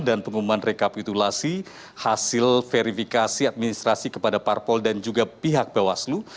dan pengumuman rekapitulasi hasil verifikasi administrasi kepada parpol dan juga pihak bawaslu